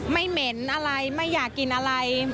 เหม็นอะไรไม่อยากกินอะไร